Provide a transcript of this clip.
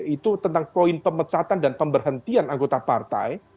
itu tentang poin pemecatan dan pemberhentian anggota partai